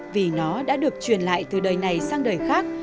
vì nó đã được truyền lại từ đời này sang đời khác